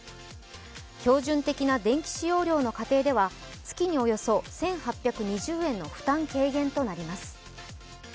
標準的な電気使用量の家庭では月におよそ１８２０円の負担軽減となります。